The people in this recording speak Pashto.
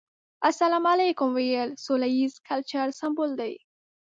السلام عليکم ويل سوله ييز کلچر سمبول دی.